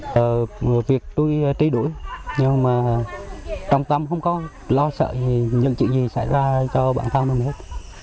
chúng tôi sẽ trí đuổi nhưng mà trong tâm không có lo sợ những chuyện gì xảy ra cho bản thân mình hết